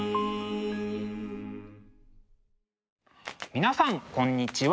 皆さんこんにちは。